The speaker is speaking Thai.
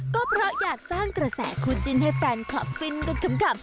ก็เพราะอยากสร้างกระแสคู่จิ้นให้แฟนคลับฟินกันขำ